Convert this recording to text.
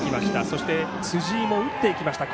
そして辻井も打っていきました。